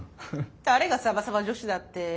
誰がサバサバ女子だって？